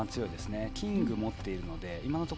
キングを持っているので。